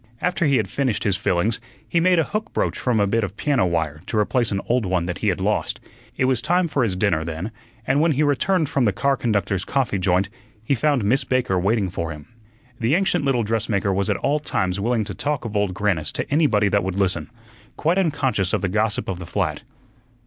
After he had finished his fillings, he made a hook broach from a bit of piano wire to replace an old one that he had lost. It was time for his dinner then, and when he returned from the car conductors' coffee joint, he found Miss Baker waiting for him. The ancient little dressmaker was at all times willing to talk of Old Grannis to anybody that would listen, quite unconscious of the gossip of the flat.